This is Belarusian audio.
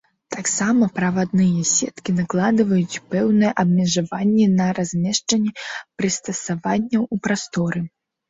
Таксама правадныя сеткі накладваюць пэўныя абмежаванні на размяшчэнне прыстасаванняў у прасторы.